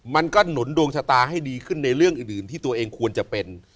มันก็หนุนดวงชะตาให้ดีขึ้นในเรื่องอื่นที่ตัวเองควรจะเป็น